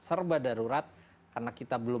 serba darurat karena kita belum